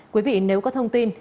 quý vị nếu có thông tin